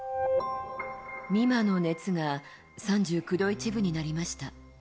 美誠の熱が３９度１分になりました。